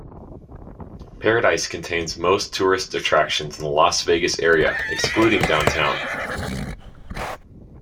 Paradise contains most tourist attractions in the Las Vegas area, excluding downtown.